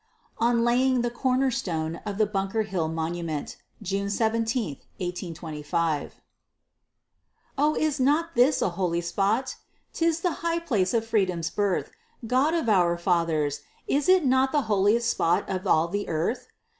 ON LAYING THE CORNER STONE OF THE BUNKER HILL MONUMENT [June 17, 1825] Oh, is not this a holy spot? 'Tis the high place of Freedom's birth! God of our fathers! is it not The holiest spot of all the earth?